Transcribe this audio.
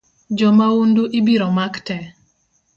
Jo maundu ibiro mak tee